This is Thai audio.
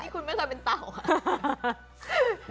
คุณไม่เคยเป็นเต่าค่ะ